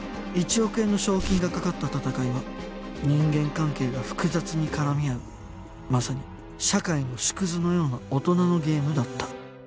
１億円の賞金がかかった戦いは人間関係が複雑に絡み合うまさに社会の縮図のような大人のゲームだった